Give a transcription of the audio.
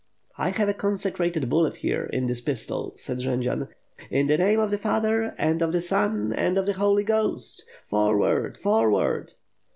"'I have a consecrated bullet here, in this pistol," said Jendzian. "In the name of the Father, and of the Son, and of the Holy Ghost! Forward! Forward!"